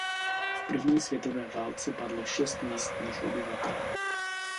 V první světové válce padlo šest místních obyvatel.